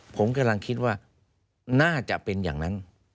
ผมกำลังคิดว่าน่าจะเป็นอย่างนั้น